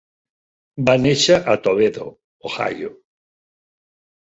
Va néixer a Toledo, Ohio.